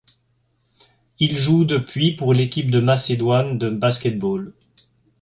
Il joue depuis pour l'équipe de Macédoine de basket-ball.